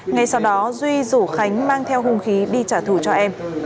ngay sau đó duy rủ khánh mang theo hung khí đi trả thù cho em